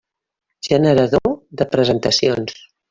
Generador de presentacions.